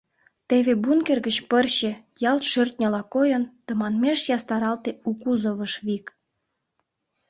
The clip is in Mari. Теве бункер гыч пырче, ялт шӧртньыла койын, тыманмеш ястаралте у кузовыш вик.